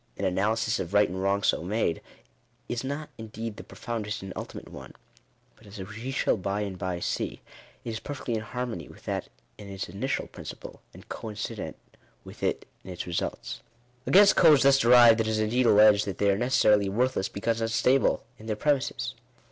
An analysis of right and wrong so made, is not in deed the profoundest and ultimate one ; but, as we shall by and by see, it is perfectly in harmony with that in its initial princi ple, and coincident with it in its results. Against codes thus derived, it is indeed alleged, that they are necessarily worthless because unstable in their premises.